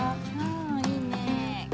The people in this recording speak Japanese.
あいいね。